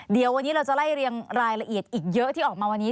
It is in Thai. เดี๋ยววันนี้เราจะไล่เรียงรายละเอียดอีกเยอะที่ออกมาวันนี้